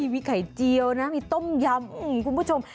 มีไข่เจียวนะมีต้มยำคุณผู้ชม